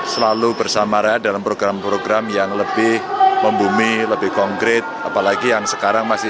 selalu bersamara dalam program program yang lebih membumi lebih konkret apalagi yang sekarang masih